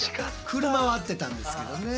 車はあってたんですけどね。